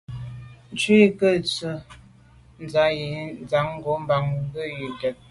Ntshu i nke ntswe’ tsha’ yi ntsan ngo’ bàn bwe ke yen.